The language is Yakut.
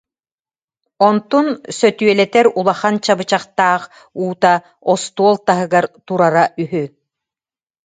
Онтун сөтүөлэтэр улахан чабычахтаах уута остуол таһыгар турара үһү